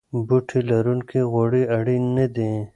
بوټي لرونکي غوړي اړین نه دي.